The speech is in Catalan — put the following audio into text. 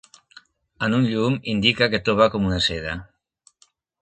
En un llum indica que to va com una seda.